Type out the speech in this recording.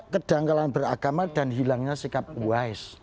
kedangkalan beragama dan hilangnya sikap wise